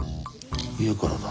家からだ。